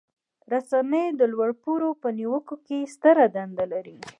رسنۍ د لوړ پوړو په نیوکو کې ستره دنده لري.